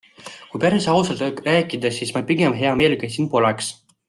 Kui päris ausalt rääkida, siis ma pigem hea meelega siin poleks.